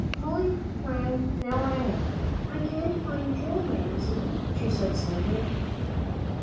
Polly now ran in. "I can't find Joel, Mamsie," she said sadly.